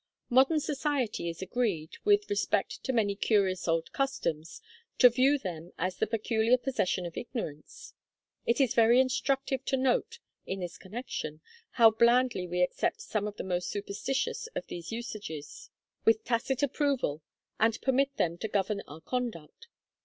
Modern society is agreed, with respect to many curious old customs, to view them as the peculiar possession of ignorance. It is very instructive to note, in this connection, how blandly we accept some of the most superstitious of these usages, with tacit approval, and permit them to govern our conduct.